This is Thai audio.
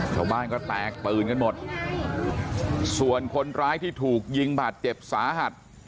ชาวบ้านก็แตกตื่นกันหมดส่วนคนร้ายที่ถูกยิงบาดเจ็บสาหัส